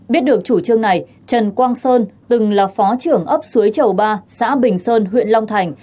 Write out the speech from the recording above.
biết được chủ trương này trần quang sơn từng là phó trưởng ấp suối chầu ba xã bình sơn huyện long thành